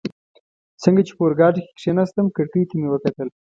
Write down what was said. څنګه چي په اورګاډي کي کښېناستم، کړکۍ ته مې وکتل.